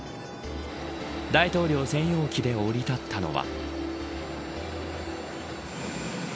大統領専用機で降り立ったのは。